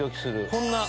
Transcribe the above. こんな。